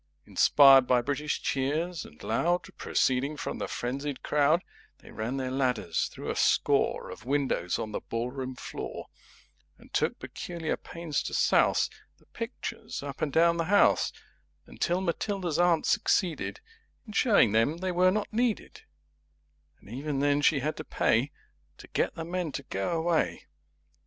Inspired by British Cheers and Loud Proceeding from the Frenzied Crowd, They ran their ladders through a score Of windows on the Ball Room Floor; And took Peculiar Pains to Souse The Pictures up and down the House, [Pg 25] Until Matilda's Aunt succeeded In showing them they were not needed And even then she had to pay To get the Men to go away!